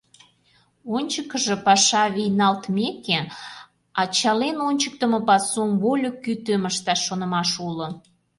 Ончыкыжо, паша вийналтмеке, ачален ончыктымо пасум, вольык кӱтӱм, ышташ шонымаш уло.